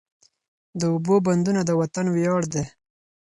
د اوبو بندونه د وطن ویاړ دی.